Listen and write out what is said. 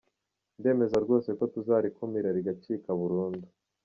Ndemeza rwose ko tuzarikumira rigacika burundu”.